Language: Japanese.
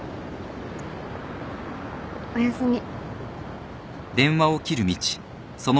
おやすみ。